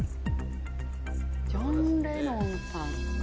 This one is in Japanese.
ジョン・レノンさん？